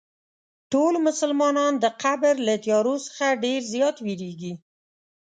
ټول مسلمانان د قبر له تیارو څخه ډېر زیات وېرېږي.